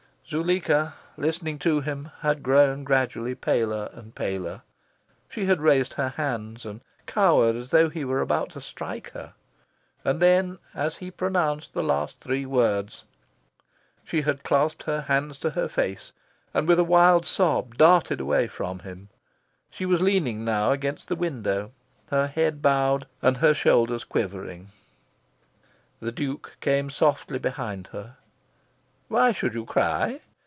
Zuleika, listening to him, had grown gradually paler and paler. She had raised her hands and cowered as though he were about to strike her. And then, as he pronounced the last three words, she had clasped her hands to her face and with a wild sob darted away from him. She was leaning now against the window, her head bowed and her shoulders quivering. The Duke came softly behind her. "Why should you cry?